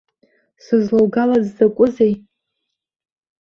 Сызлоугалаз закәызеи?